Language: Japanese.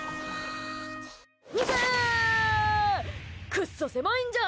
くっそ狭いんじゃ！